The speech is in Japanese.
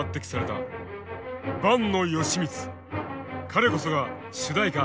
彼こそが主題歌